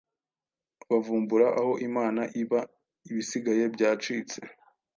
bavumbura aho imana iba Ibisigaye byacitse